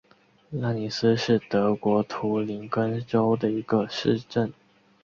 拉尼斯是德国图林根州的一个市镇。